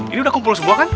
ini udah kumpul semua kan